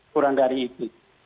kurang dari itu